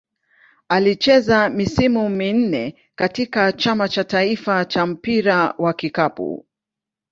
Alicheza misimu minne katika Chama cha taifa cha mpira wa kikapu.